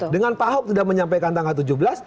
dengan pak ahok sudah menyampaikan tanggal tujuh belas